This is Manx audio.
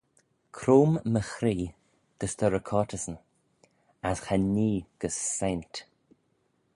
Croym my chree gys dty recortyssyn: as cha nee gys saynt.